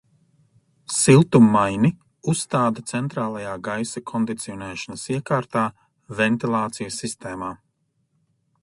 Siltummaini uzstāda centrālajā gaisa kondicionēšanas iekārtā, ventilācijas sistēmā.